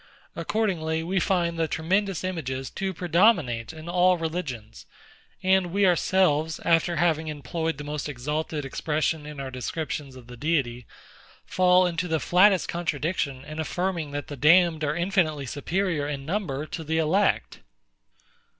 Accordingly, we find the tremendous images to predominate in all religions; and we ourselves, after having employed the most exalted expression in our descriptions of the Deity, fall into the flattest contradiction in affirming that the damned are infinitely superior in number to the elect.